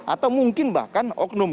atau mungkin bahkan oknum